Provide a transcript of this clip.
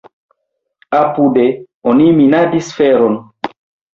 Apude oni minadis feron.